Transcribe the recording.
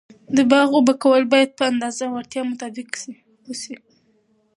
د باغ اوبه کول باید په اندازه او د اړتیا مطابق و سي.